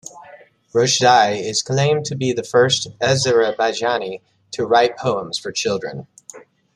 Roshdieh is claimed to be the first Azerbaijani to write poems for children.